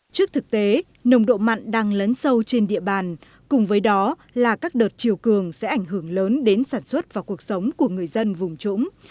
trước thực tế nồng độ mặn đang lớn sâu trên địa bàn cùng với đó là các đợt chiều cường sẽ ảnh hưởng lớn đến sản xuất và cuộc sống của người dân vùng trũng